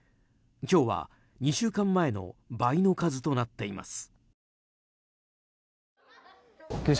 今日は２週間前の倍の数となっています。